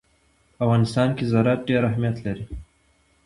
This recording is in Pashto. په افغانستان کې زراعت ډېر اهمیت لري.